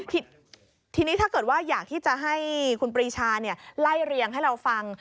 ทีนี้ถ้าเกิดว่าอยากที่จะให้คุณปรีชาไล่เรียงให้เราฟัง